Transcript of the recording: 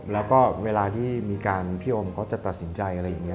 แล้วก็เวลาทีมีการพี่โอมเขาจะตัดสินใจ